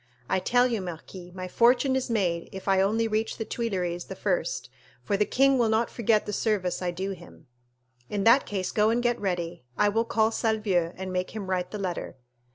I tell you, marquis, my fortune is made if I only reach the Tuileries the first, for the king will not forget the service I do him." "In that case go and get ready. I will call Salvieux and make him write the letter."